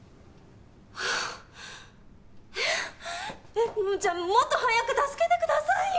えっじゃあもっと早く助けてくださいよ！